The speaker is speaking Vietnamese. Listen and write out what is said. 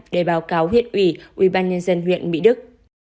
để báo cáo huyện ủy ubnd huyện mỹ đức